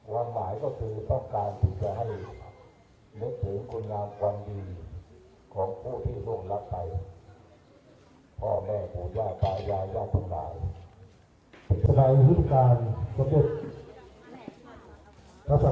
วางหมายก็คือต้องการที่จะให้รักษูนย์คุณภาพความดีของผู้ที่ร่วมรักไป